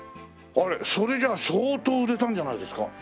それじゃあ相当売れたんじゃないですか？